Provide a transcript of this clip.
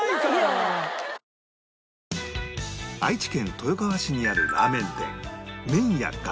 愛知県豊川市にあるラーメン店麺屋がらきん